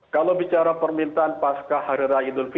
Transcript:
kalau bicara permintaan pasca harirai